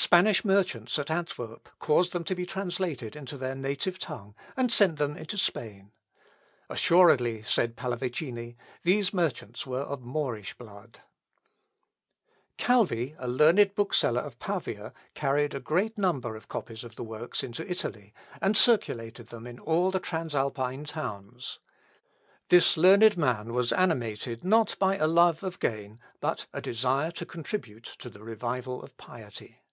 Spanish merchants at Antwerp caused them to be translated into their native tongue, and sent them into Spain. "Assuredly," says Pallavicini, "these merchants were of Moorish blood." Maurorum stirpe prognatis. (Pallav. i, 91.) [Sidenote: FROBENIUS. ECK.] Calvi, a learned bookseller of Pavia, carried a great number of copies of the works into Italy, and circulated them in all the transalpine towns. This learned man was animated not by a love of gain but a desire to contribute to the revival of piety.